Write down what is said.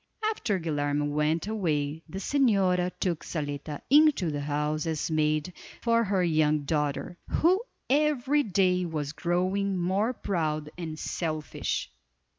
After Guilerme went away the señora took Zaletta into the house as maid for her young daughter, who every day was growing more proud and selfish.